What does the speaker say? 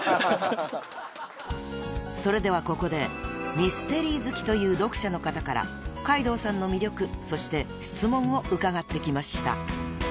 ［それではここでミステリー好きという読者の方から海堂さんの魅力そして質問を伺ってきました］